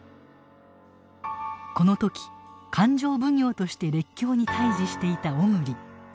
この時勘定奉行として列強に対峙していた小栗。